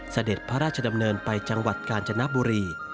เสด็จพระราชดำเนินไปจังหวัดกาญจนบุรี